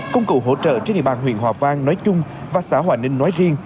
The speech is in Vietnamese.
công cụ hỗ trợ trên địa bàn huyện hòa vang nói chung và xã hòa ninh nói riêng